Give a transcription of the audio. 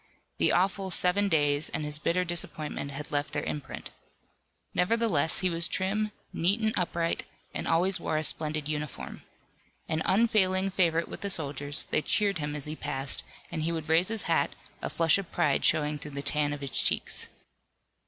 The awful Seven Days and his bitter disappointment had left their imprint. Nevertheless he was trim, neat and upright, and always wore a splendid uniform. An unfailing favorite with the soldiers, they cheered him as he passed, and he would raise his hat, a flush of pride showing through the tan of his cheeks.